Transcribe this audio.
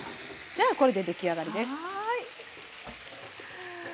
じゃあこれで出来上がりです。